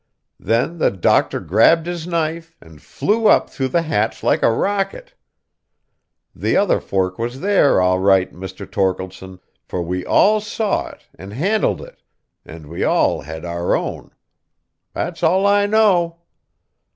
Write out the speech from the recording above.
Then the doctor grabbed his knife, and flew up through the hatch like a rocket. The other fork was there all right, Mr. Torkeldsen, for we all saw it and handled it; and we all had our own. That's all I know."